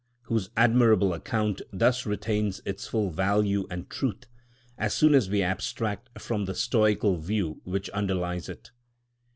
104), whose admirable account thus retains its full value and truth, as soon as we abstract from the stoical view which underlies it.